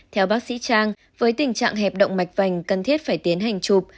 theo bác sĩ trang với tình trạng hẹp động mạch vành cần thiết phải tiến hành chụp